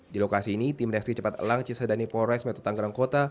di lokasi ini tim reaksi cepat elang cisadani polores meto tanggerang kota